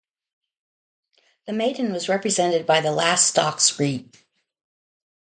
The Maiden was represented by the last stalks reaped.